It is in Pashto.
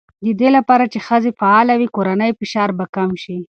د دې لپاره چې ښځې فعاله وي، کورنی فشار به کم شي.